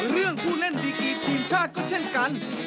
ผู้เล่นดีกีทีมชาติก็เช่นกัน